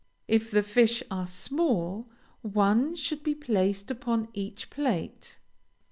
If the fish are small, one should be placed upon each plate.